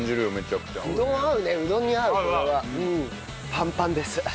パンパンです。